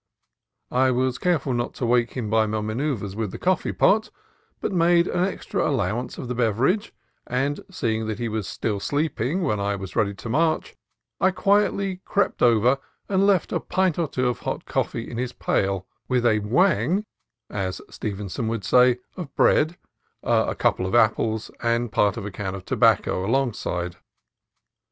I was careful not to awake him by my manoeuvres with the coffee pot, but made an extra allowance of the beverage; and seeing that he was still sleeping when I was ready to march, I quietly crept over and left a pint or so of hot coffee in his pail, with a "whang" (as Stevenson would say) of bread, a couple of apples, and part of a can of tobacco alongside.